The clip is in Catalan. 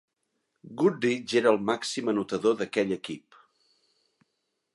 Goodrich era el màxim anotador d'aquell equip.